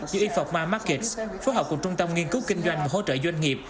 như eformar markets phó học của trung tâm nghiên cứu kinh doanh và hỗ trợ doanh nghiệp